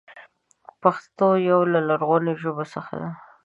پښتو يو له لرغونو ژبو څخه ده.